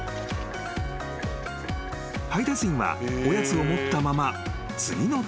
［配達員はおやつを持ったまま次の届け先へ］